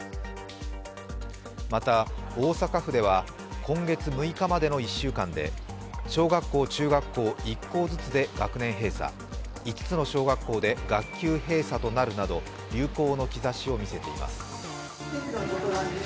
また、大阪府では今月６日までの１週間で、小学校・中学校１校ずつで学年閉鎖、５つの小学校で学級閉鎖となるなど流行の兆しを見せています。